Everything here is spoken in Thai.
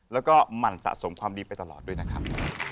แล้วก็มันสะสมความดีไปตลอดด้วยนะครับ